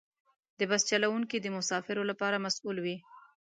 د بس چلوونکي د مسافرو لپاره مسؤل وي.